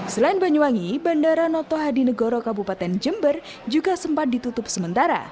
selain banyuwangi bandara notohadinegoro kabupaten jember juga sempat ditutup sementara